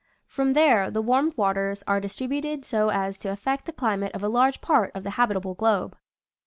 From there the warmed waters are distributed so as to affect the climate of a large part of the habit able globe.